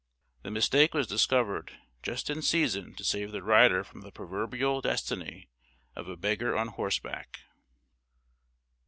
The mistake was discovered just in season to save the rider from the proverbial destiny of a beggar on horseback.